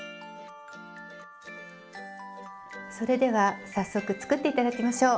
それでは早速作って頂きましょう。